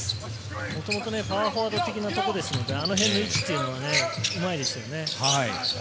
もともとパワーフォワード的なところですので、あのへんの位置はね、うまいですよね。